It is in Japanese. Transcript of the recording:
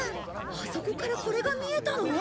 あそこからこれが見えたの？